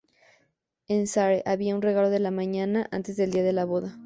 En Sarre, había un regalo de la mañana antes del día de la boda.